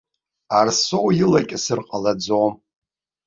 Арсоу илакьысыр ҟалаӡом.